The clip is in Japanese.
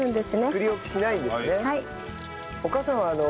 作り置きしないんですね。